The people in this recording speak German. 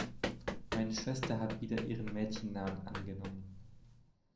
Meine Schwester hat wieder ihren Mädchennamen angenommen.